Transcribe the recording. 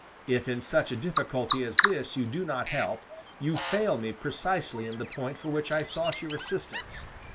If in such a difficulty as this you do not help, you fail me precisely in the point for which I sought your assistance.